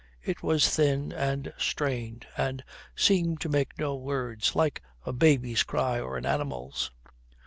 It was thin and strained, and seemed to make no words, like a baby's cry or an animal's.